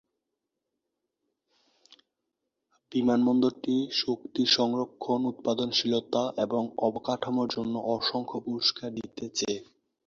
বিমানবন্দরটি শক্তি সংরক্ষণ, উৎপাদনশীলতা এবং অবকাঠামোর জন্য অসংখ্য পুরস্কার জিতেছে।